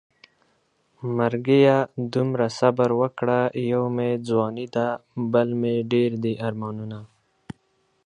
مرګيه دومره صبر وکړه يو مې ځواني ده بل مې ډېر دي ارمانونه